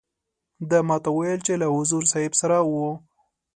ده ما ته وویل چې له حضور صاحب سره وو.